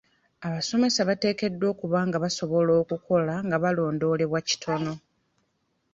Abasomesa bateekeddwa okuba nga basobola okukola nga balondoolebwa kitono.